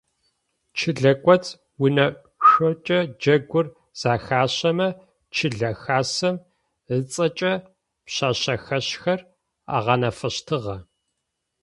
Чылэ кӏоцӏ унашъокӏэ джэгур зэхащэмэ, чылэ хасэм ыцӏэкӏэ пшъэшъэхэщхэр агъэнафэщтыгъэ.